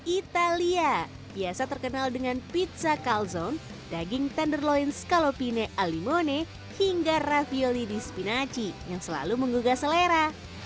italia biasa terkenal dengan pizza calzone daging tenderloin scaloppine al limone hingga ravioli di spinaci yang selalu menggugah selera